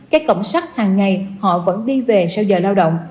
các cổng sách hàng ngày họ vẫn đi về sau giờ lao động